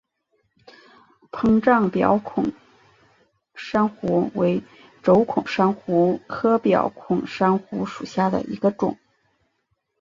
膨胀表孔珊瑚为轴孔珊瑚科表孔珊瑚属下的一个种。